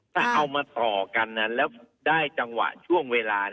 ถ้าเอามาต่อกันแล้วได้จังหวะช่วงเวลา